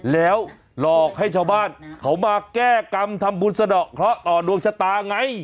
แล้วหลอกให้ชาวบ้านเขามาแก้กรรมทำบุญสะดอกเคราะห์ต่อดวงชะตาไง